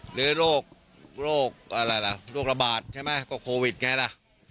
หรือโรคละบาดโควิดนะ